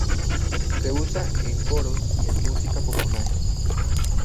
Se usa en coros y en música popular.